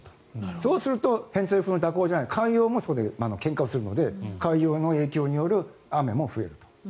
そうすると偏西風の蛇行じゃないけど海流もけんかをするので海流の影響による雨も増えると。